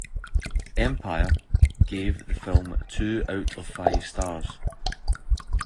"Empire" gave the film two out of five stars.